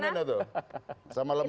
sama lembaga seperti itu